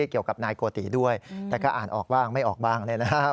เกี่ยวกับนายโกติด้วยแต่ก็อ่านออกบ้างไม่ออกบ้างเนี่ยนะครับ